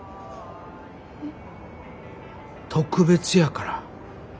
特別やから。